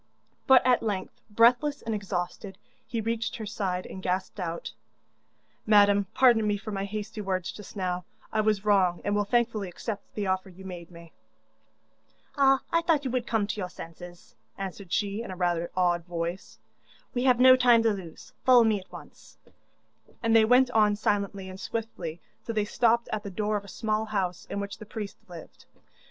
But at length, breathless and exhausted, he reached her side, and gasped out: 'Madam, pardon me for my hasty words just now; I was wrong, and will thankfully accept the offer you made me.' 'Ah, I thought you would come to your senses,' answered she, in rather an odd voice. 'We have no time to lose follow me at once,' and they went on silently and swiftly till they stopped at the door of a small house in which the priest lived.